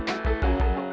tunggu gue ya put